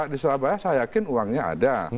di surabaya saya yakin uangnya ada